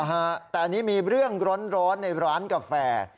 ฮะแต่อันนี้มีเรื่องร้อนในร้านกาแฟ